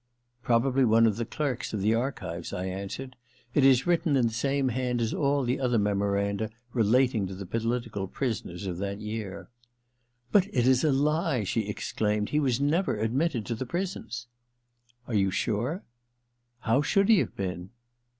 * Probably one of the clerks of the archives,* I answered. * It is written in the same hand as all the other memoranda relating to the political prisoners of that year.' * But it is a lie !' she exclaimed. * He was never admitted to the prisons.' * Are you sure ?'* How should he have been